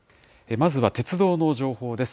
まずは鉄道の情報です。